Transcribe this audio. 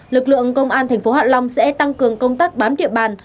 lực lượng công an tp hạ long sẽ tăng cường công tác bám địa bàn